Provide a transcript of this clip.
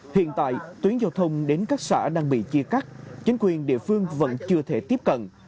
hiện tại tuyến giao thông đến các xã đang bị chia cắt chính quyền địa phương vẫn chưa thể tiếp cận